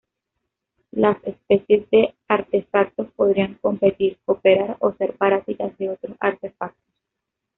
Las especies de artefactos podrían competir, cooperar o ser parásitas de otros artefactos.